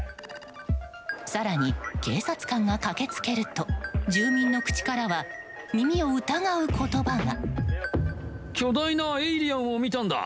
更に、警察官が駆け付けると住民の口からは耳を疑う言葉が。